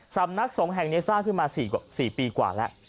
สำนักสงฆ์แห่งเนสเสาร์ถึง๔ปีกว่าแล้ว